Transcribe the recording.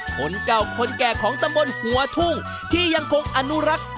คนเก่าคนแก่ของตำบลหัวทุ่งที่ยังคงอนุรักษ์